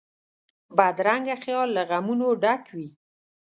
بدرنګه خیال له غمونو ډک وي